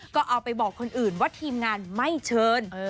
ก็เอาไปบอกคนอื่นว่าทีมงานไม่เชิญ